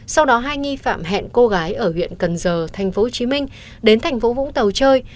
sau đó hai nghi phạm hẹn cô gái ở huyện cần giờ tp hcm đến tp hcm chơi